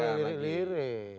tidak boleh lirik lirik